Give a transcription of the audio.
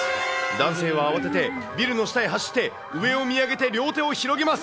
男性は慌ててビルの下へ走って、上を見上げて両手を広げます。